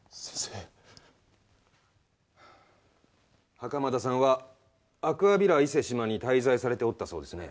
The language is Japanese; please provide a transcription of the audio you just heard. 袴田さんはアクアヴィラ伊勢志摩に滞在されておったそうですね？